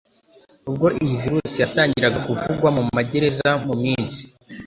Ubwo iyi virusi yatangiraga kuvugwa mu magereza mu minsi